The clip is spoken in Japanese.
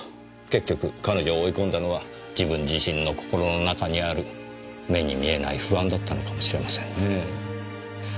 結局彼女を追い込んだのは自分自身の心の中にある目に見えない不安だったのかもしれませんねぇ。